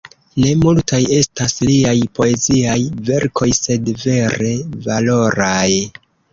Ne multaj estas liaj poeziaj verkoj, sed vere valoraj.